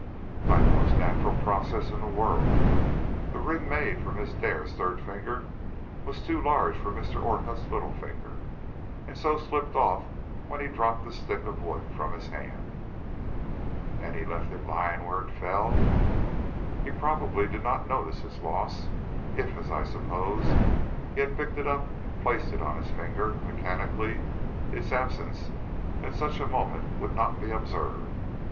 "By the most natural process in the world. The ring made for Miss Dare's third finger was too large for Mr. Orcutt's little finger, and so slipped off when he dropped the stick of wood from his hand." "And he left it lying where it fell?" "He probably did not notice its loss. If, as I suppose, he had picked it up and placed it on his finger, mechanically, its absence at such a moment would not be observed.